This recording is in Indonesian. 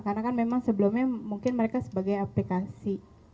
karena kan memang sebelumnya mungkin mereka sebagai aplikasi